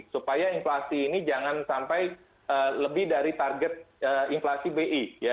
supaya inflasi ini jangan sampai lebih dari target inflasi bi